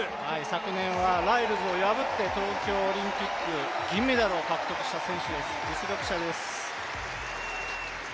昨年はライルズを破って、東京オリンピック銀メダルを獲得した選手です、実力者です。